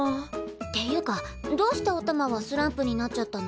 っていうかどうしておたまはスランプになっちゃったの？